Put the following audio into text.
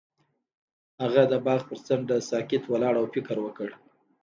هغه د باغ پر څنډه ساکت ولاړ او فکر وکړ.